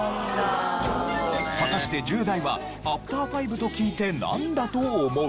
果たして１０代はアフター５と聞いてなんだと思う？